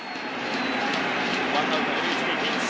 ワンアウト二塁一塁ピンチ。